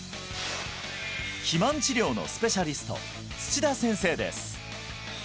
肥満治療のスペシャリスト土田先生です